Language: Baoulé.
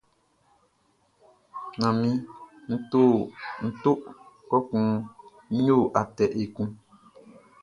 Manmi, nʼto kɔkun nʼyo atɛ ekun.